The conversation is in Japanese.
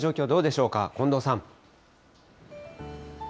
どうでしょうか、近藤さん。